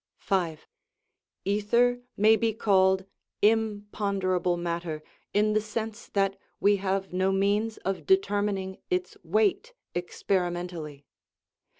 V. Ether may be called imponderable matter in the sense that we have no means of determining its weight experimentally.